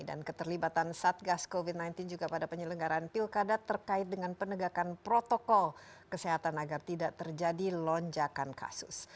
dan keterlibatan satgas covid sembilan belas juga pada penyelenggaraan pilkada terkait dengan penegakan protokol kesehatan agar tidak terjadi lonjakan kasus